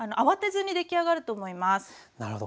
なるほど。